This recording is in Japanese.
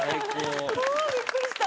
あびっくりした！